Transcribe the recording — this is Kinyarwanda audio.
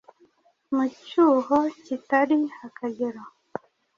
Mu cyuho kitagira akagero,